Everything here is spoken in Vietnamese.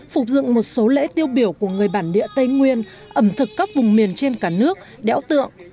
phục dựng một số lễ tiêu biểu của người bản địa tây nguyên ẩm thực các vùng miền trên cả nước đẽo tượng